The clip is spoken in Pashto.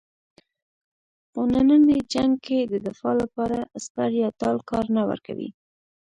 خو نننی جنګ کې د دفاع لپاره سپر یا ډال کار نه ورکوي.